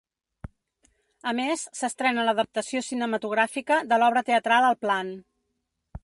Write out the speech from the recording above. A més, s’estrena l’adaptació cinematogràfica de l’obra teatral El plan.